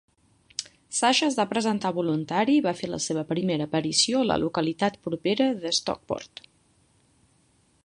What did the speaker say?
Sasha es va presentar voluntari i va fer la seva primera aparició a la localitat propera d'Stockport.